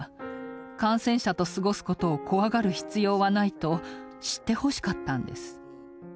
感染者と過ごすことを怖がる必要はないと知ってほしかったんです。